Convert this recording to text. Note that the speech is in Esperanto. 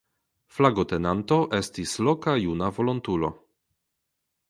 Flagotenanto estis loka juna volontulo.